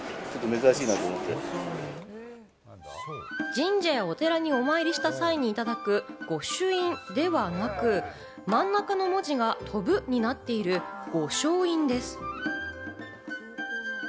神社やお寺にお参りした際にいただく御朱印ではなく、真ん中の文字が「翔」になっている御翔印です。